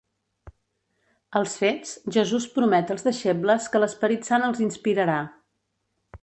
Als Fets, Jesús promet als deixebles que l'Esperit Sant els inspirarà.